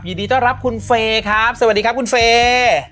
ยินดีต้อนรับคุณเฟย์ครับสวัสดีครับคุณเฟย์